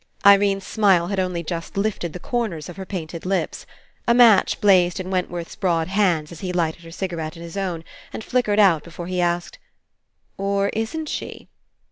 Irene's smile had only just lifted the corners of her painted lips. A match blazed in Wentworth's broad hands as he lighted her cigarette and his own, and flickered out before he asked: ''Or isn't she?"